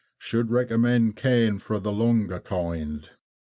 Should recommend cane for the longer kind.